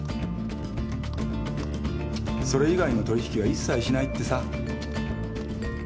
それ以外の取引は一切しないってさ。